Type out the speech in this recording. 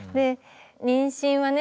妊娠はね